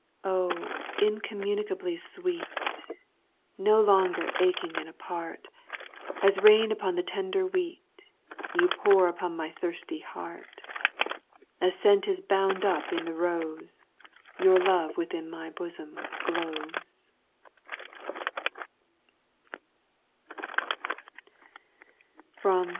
Oh, incommunicably sweet! No longer aching and apart, As rain upon the tender wheat, You pour upon my thirsty heart; As scent is bound up in the rose, Your love within my bosom glows.